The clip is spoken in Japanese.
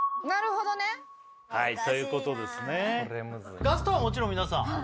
なるほどねはいということですねガストはもちろん皆さん？